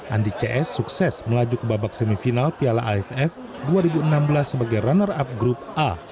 andi cs sukses melaju ke babak semifinal piala aff dua ribu enam belas sebagai runner up grup a